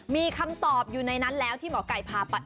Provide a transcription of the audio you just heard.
มีคำตอบอยู่ในนั้นแล้วที่หมอไก่พาไป